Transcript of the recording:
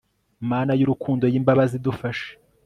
mana yurukundo yimbabazi dufashe